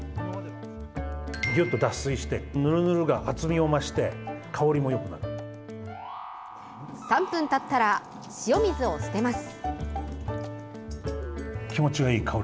ぎゅっと脱水してぬるぬるが厚みを増して３分たったら塩水を捨てます。